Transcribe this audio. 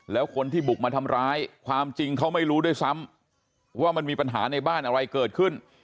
แล้วคนที่บุกมาทำร้ายความจริงเขาไม่รู้ด้วยซ้ำว่ามันมีปัญหาในบ้านอะไรเกิดขึ้น